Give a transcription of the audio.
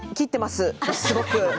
すごく。